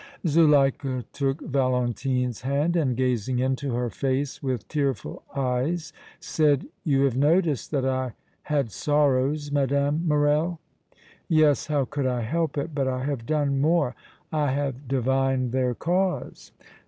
Zuleika took Valentine's hand, and, gazing into her face with tearful eyes, said: "You have noticed that I had sorrows, Mme. Morrel?" "Yes; how could I help it? But I have done more; I have divined their cause!"